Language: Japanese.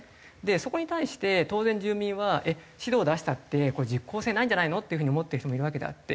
そこに対して当然住民は「えっ指導出したってこれ実効性ないんじゃないの？」っていう風に思ってる人もいるわけであって。